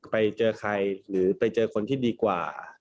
ไปเจอใครหรือไปเจอคนที่ดีกว่า